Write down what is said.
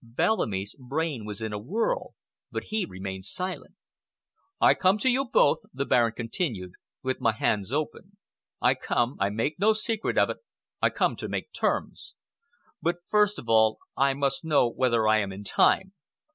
Bellamy's brain was in a whirl but he remained silent. "I come to you both," the Baron continued, "with my hands open. I come—I make no secret of it—I come to make terms. But first of all I must know whether I am in time.